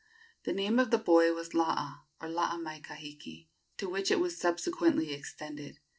The name of the boy was Laa, or Laa mai kahiki, to which it was subsequently extended.